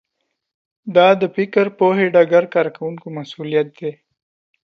دا د فکر پوهې ډګر کارکوونکو مسوولیت دی